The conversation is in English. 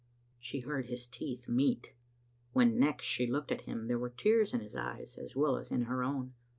She heard his teeth meet. When next she looked at him, there were tears in his eyes as well as in her own.